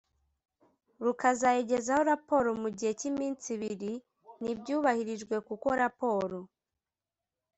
Rukazayigezaho raporo mu gihe cy iminsi ibi ntibyubahirijwe kuko raporo